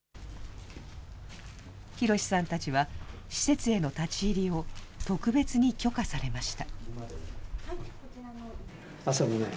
寛さんたちは、施設への立ち入りを特別に許可されました。